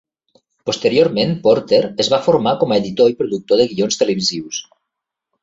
Posteriorment Porter es va formar com a editor i productor de guions televisius.